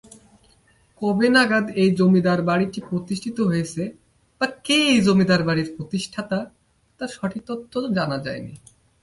কবে নাগাদ এই জমিদার বাড়িটি প্রতিষ্ঠিত হয়েছে বা কে এই জমিদার বাড়ির প্রতিষ্ঠাতা তার সঠিক তথ্য জানা যায়নি।